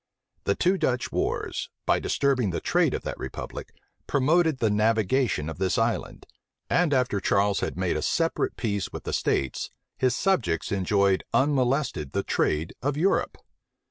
The two Dutch wars, by disturbing the trade of that republic, promoted the navigation of this island; and after Charles had made a separate peace with the states, his subjects enjoyed unmolested the trade of Europe.